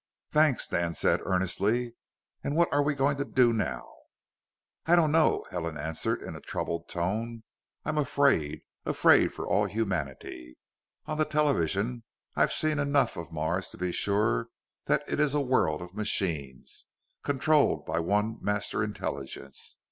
"Thanks," Dan said, earnestly. "And what are we going to do now?" "I don't know," Helen answered in a troubled tone. "I'm afraid. Afraid for all humanity. On the television, I've seen enough of Mars to be sure that it is a world of machines, controlled by one Master Intelligence.